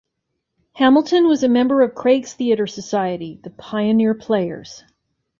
Hamilton was a member of Craig's theatre society, the Pioneer Players.